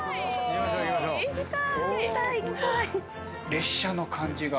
列車の感じが。